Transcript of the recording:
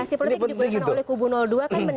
ingerasi politik diperkenalkan oleh kubu dua kan menyerang